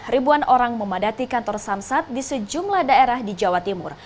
ribuan orang memadati kantor samsat di sejumlah daerah di jawa timur